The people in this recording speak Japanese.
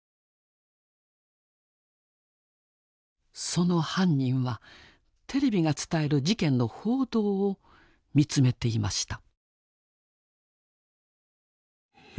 その犯人はテレビが伝える事件の報道を見つめていました。